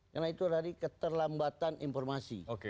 karena itu dari keterlambatan informasi